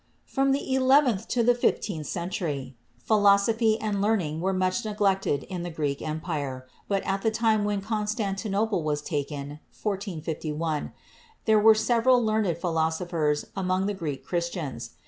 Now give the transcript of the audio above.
From the eleventh to the fifteenth century philosophy and 32 CHEMISTRY learning were much neglected in the Greek empire, but at the time when Constantinople was taken (1451) there were several learned philosophers among the Greek Chris tians.